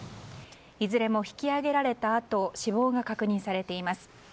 いずれも引き揚げられたあと死亡が確認されています。